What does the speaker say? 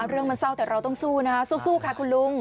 เรื่องมันเศร้าแต่เราต้องสู้นะคะสู้ค่ะคุณลุง